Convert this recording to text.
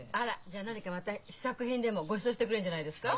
じゃあ何かまた試作品でもごちそうしてくれるんじゃないですか？